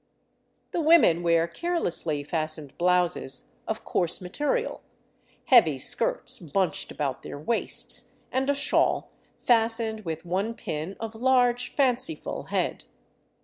The women wear carelessly fastened blouses of coarse material, heavy skirts bunched about their waists, and a shawl fastened with one pin of large, fanci ful head.